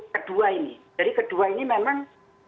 kedua ini jadi kedua ini memang